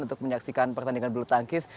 untuk menyaksikan pertandingan belutangkis